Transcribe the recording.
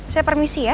saya permisi ya